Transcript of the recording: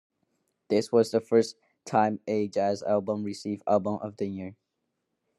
This was the first time a jazz album received Album of the Year.